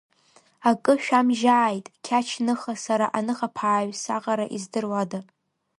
Акы шәамжьааит, Қьач-ныха, сара аныхаԥааҩ саҟара издыруада!